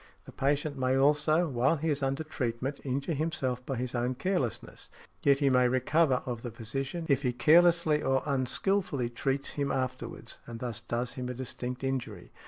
The patient may also, while he is under treatment, injure himself by his own carelessness; yet he may recover of the physician, if he carelessly or unskilfully treats him afterwards, and thus does him a distinct injury .